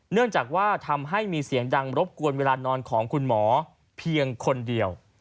เนื่องจากว่าทำให้มีเสียงดังรบกวนเวลานอนของคุณหมอเพียงคนเดียว